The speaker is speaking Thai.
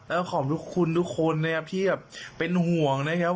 แล้วขอบคุณทุกคนนะครับที่แบบเป็นห่วงนะครับ